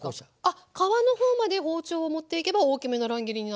あっ皮の方まで包丁を持っていけば大きめの乱切りになる。